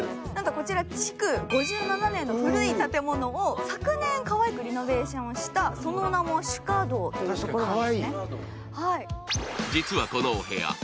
こちら築５７年の建物を昨年リノベーションしたその名も朱夏堂というところですね。